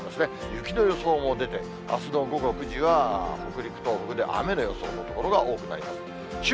雪の予想も出て、あすの午後９時は、北陸、東北で雨の予想の所が多くなります。